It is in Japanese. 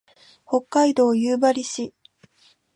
北海道夕張市